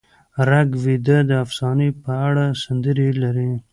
رګ وید د افسانې په اړه سندرې لري.